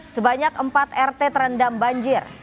sebanyak empat rt terendam banjir